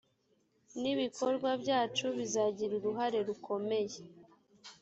n ibikorwa byacu bizagira uruhare rukomeye